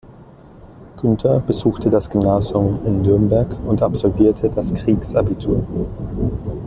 Günther besuchte das Gymnasium in Nürnberg und absolvierte das Kriegsabitur.